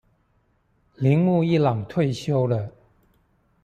鈴木一朗退休了